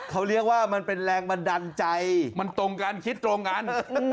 เขาเรียกว่ามันเป็นแรงบันดาลใจมันตรงกันคิดตรงกัน